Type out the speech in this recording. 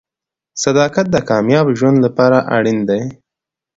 • صداقت د کامیاب ژوند لپاره اړین دی.